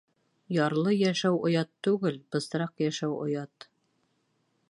Ярлы йәшәү оят түгел, бысраҡ йәшәү оят.